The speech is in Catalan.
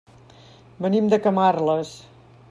Venim de Camarles.